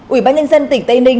ủy ban nhân dân tỉnh tây ninh